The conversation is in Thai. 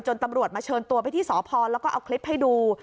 ตำรวจมาเชิญตัวไปที่สพแล้วก็เอาคลิปให้ดู